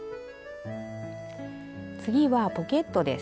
次はポケットです。